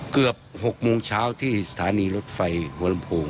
เกือบ๖โมงเช้าที่สถานีรถไฟหัวลำโพง